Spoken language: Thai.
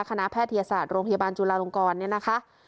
แพทยศาสตร์โรงพยาบาลจุลาลงกรเนี่ยนะคะ